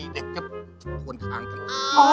เด็กก็ควรค้างคำนวน